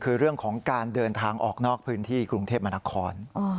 คือเรื่องของการเดินทางออกนอกพื้นที่กรุงเทพมนาคม